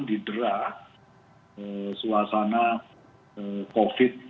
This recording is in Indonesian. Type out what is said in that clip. di derah suasana covid sembilan belas